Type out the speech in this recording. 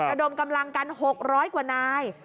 ระดมกำลังกัน๖๐๐กว่านาย